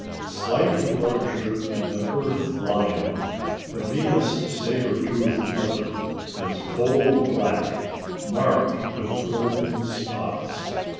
Slightly larger than an Earth lion, the Venus sabre tooth leopard is coal black, marked with golden spots.